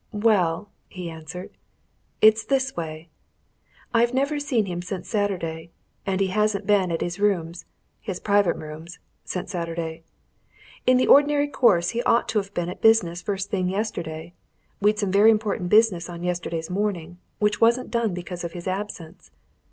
"Well," he answered. "It's this way. I've never seen him since Saturday. And he hasn't been at his rooms his private rooms since Saturday. In the ordinary course he ought to have been at business first thing yesterday we'd some very important business on yesterday morning, which wasn't done because of his absence.